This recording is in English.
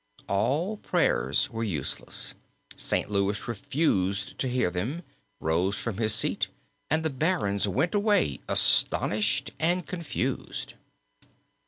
All prayers were useless; St. Louis refused to hear them, rose from his seat, and the barons went away astonished and confused.